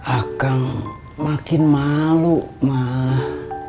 akan makin malu mah